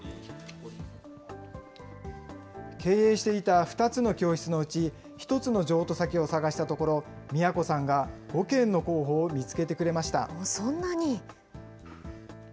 経営していた２つの教室のうち、１つの譲渡先を探したところ、都さんが５件の候補を見つけてくれました。